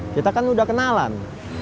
kita kan udah kenalan